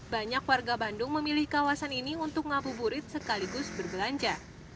banyak warga bandung memilih kawasan ini untuk ngabuburit sekaligus berbelanja